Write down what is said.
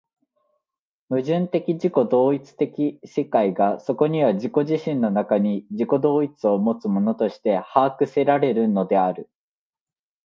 矛盾的自己同一的世界がそこには自己自身の中に自己同一をもつものとして把握せられるのである。